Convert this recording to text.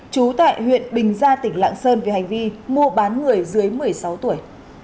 chú tại huyện bình gia tỉnh lạng sơn vì hành vi mua bán người dưới một mươi sáu tuổi